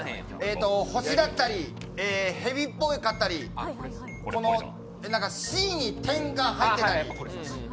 星だったり、蛇っぽかったりＣに・が入ってたり。